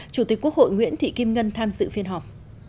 chủ tịch quốc hội nguyễn thị kim ngân tham dự phiên họp